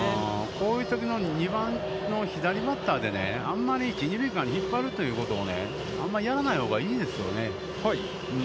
こういうときの２番の左バッターであんまり一・二塁間に引っ張るということを、あんまりやらないほうがいいですよね。